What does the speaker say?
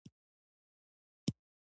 مفتی شمائل ندوي او جاوید اختر مناظره